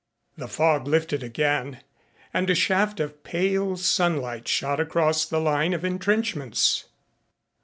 The fog lifted again and a shaft of pale sunlight shot across the line of entrenchments.